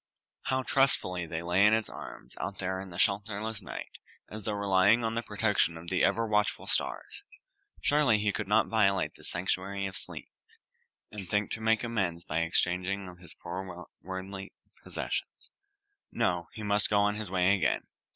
How trustfully they lay in its arms out there in the shelterless night, as though relying on the protection of the ever watchful stars. Surely he could not violate this sanctuary of sleep, and think to make amends by exchange of his poor worldly possessions. No! he must go on his way again.